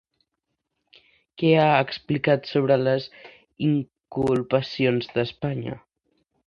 Què ha explicat sobre les inculpacions d'Espanya?